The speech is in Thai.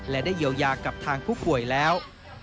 และได้เยียวยากับทางผู้ป่วยแล้ว